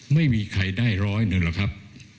ไม่มีใครได้ร้อยหนึ่งหรอกครับ